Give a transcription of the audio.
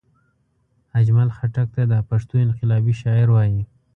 اجمل خټګ ته دا پښتو انقلابي شاعر وايي